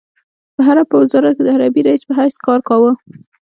په حرب په وزارت کې د حربي رئيس په حیث کار کاوه.